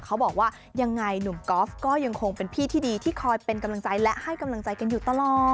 เขาบอกว่ายังไงหนุ่มก๊อฟก็ยังคงเป็นพี่ที่ดีที่คอยเป็นกำลังใจและให้กำลังใจกันอยู่ตลอด